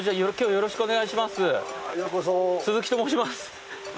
よろしくお願いします。